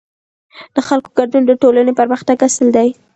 د خلکو ګډون د ټولنې پرمختګ اصل دی